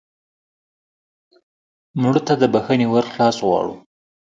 مړه ته د بښنې ور خلاص غواړو